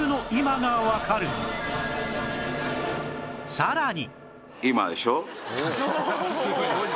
さらに